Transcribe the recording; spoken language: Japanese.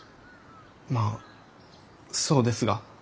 まあそうですが。